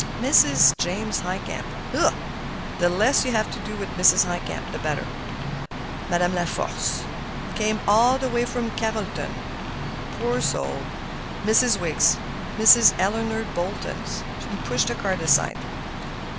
'Mrs. James Highcamp.' Hugh! the less you have to do with Mrs. Highcamp, the better. 'Madame Laforcé.' Came all the way from Carrolton, too, poor old soul. 'Miss Wiggs,' 'Mrs. Eleanor Boltons.'" He pushed the cards aside.